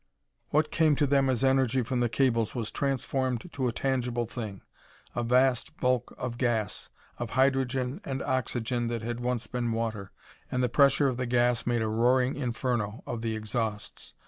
What came to them as energy from the cables was transformed to a tangible thing a vast bulk of gas, of hydrogen and oxygen that had once been water, and the pressure of the gas made a roaring inferno of the exhausts.